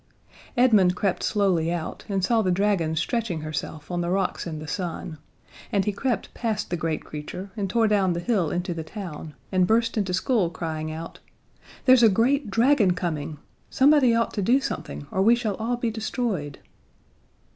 Edmund crept slowly out and saw the dragon stretching herself on the rocks in the sun, and he crept past the great creature and tore down the hill into the town and burst into school, crying out: "There's a great dragon coming! Somebody ought to do something, or we shall all be destroyed."